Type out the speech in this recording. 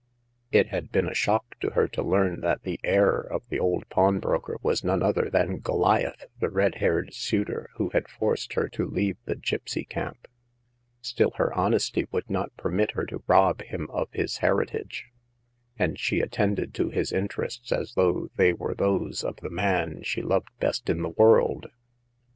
It had been a shock to her to learn that the heir of the old pawnbroker was none other than Goliath, the red haired suitor who had forced her to leave the gipsy camp. Still, her honesty would not permit her to rob him of his heritage ; and she attended to his interests as though they were those of the man she loved best in the world.